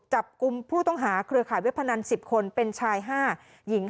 จับกลุ่มผู้ต้องหาเครือข่ายเว็บพนัน๑๐คนเป็นชาย๕หญิง